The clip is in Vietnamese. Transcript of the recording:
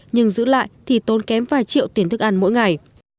nhưng giữ lại thì tốn kém vài triệu tiền thức ăn mỗi ngày